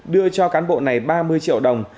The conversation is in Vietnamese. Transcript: đưa cho cán bộ này ba mươi triệu đồng